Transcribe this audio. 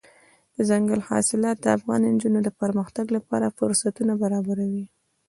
دځنګل حاصلات د افغان نجونو د پرمختګ لپاره فرصتونه برابروي.